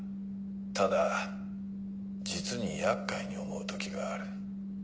ただ実に厄介に思う時がある。